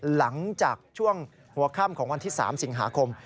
หลังจากช่วงหัวค่ำของวันที่๓สิงหาคม